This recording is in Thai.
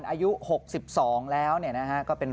น้องไม่ต้องห่วงว่าเขาจะโกง